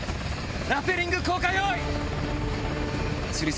ラペリング降下用意！